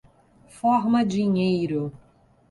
Forma-dinheiro